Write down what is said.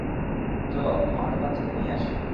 চলো আমাদের বাচ্চাকে নিয়ে আসি।